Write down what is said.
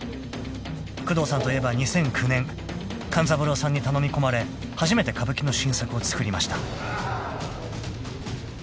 ［宮藤さんといえば２００９年勘三郎さんに頼み込まれ初めて歌舞伎の新作をつくりました］